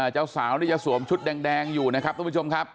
เจ้าสาวนี่จะสวมชุดแดงอยู่นะครับทุกผู้ชมครับ